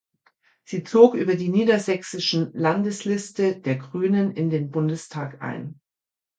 Sie zog über die niedersächsischen Landesliste der Grünen in den Bundestag ein.